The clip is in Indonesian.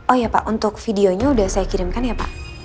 oh ya pak untuk videonya sudah saya kirimkan ya pak